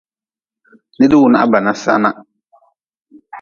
Nidwunah bana sana.